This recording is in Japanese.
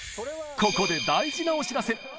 ここで大事なお知らせ！